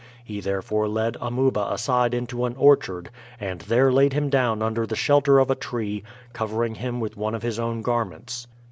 He therefore led Amuba aside into an orchard, and there laid him down under the shelter of a tree, covering him with one of his own garments.